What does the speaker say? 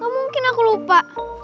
mungkin aku lupa